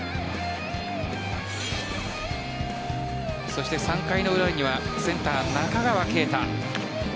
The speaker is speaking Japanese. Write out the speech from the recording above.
そして３回の裏にはセンター・中川圭太。